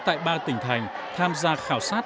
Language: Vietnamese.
tại ba tỉnh thành tham gia khảo sát